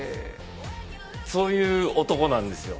そういう男なんですよ。